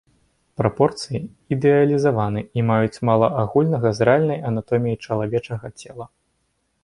Прапорцыі ідэалізаваны і маюць мала агульнага з рэальнай анатоміяй чалавечага цела.